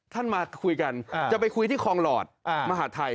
มาคุยกันจะไปคุยที่คลองหลอดมหาทัย